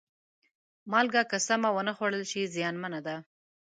مالګه که سمه ونه خوړل شي، زیانمنه ده.